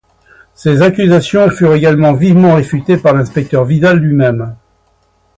Ces accusations furent également vivement réfutées par l'inspecteur Vidal lui-même.